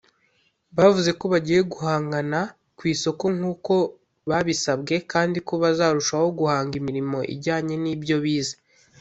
Bavuze ko bagiye guhangana ku isoko nk’uko babisabwe kandi ko bazarushaho guhanga imirimo ijyanye n’ibyo bize